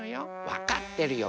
わかってるよ